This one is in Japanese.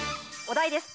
お題です